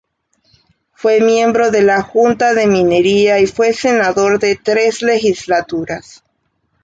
Fue miembro de la Junta de Minería y fue senador de tres Legislaturas.